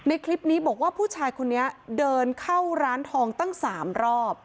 คลิปนี้บอกว่าผู้ชายคนนี้เดินเข้าร้านทองตั้ง๓รอบ